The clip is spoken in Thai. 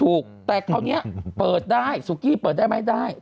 ถูกแต่คราวนี้เปิดได้สุกี้เปิดได้ไหมได้